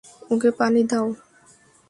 ওকে পানি দাও।